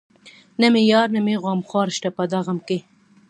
نه مې يار نه مې غمخوار شته په دا غم کې